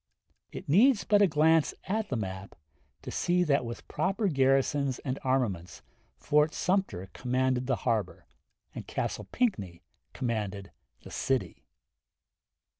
It needs but a glance at the map to see that with proper garrisons and armaments Fort Sumter commanded the harbor. and Castle Pinckney commanded the city.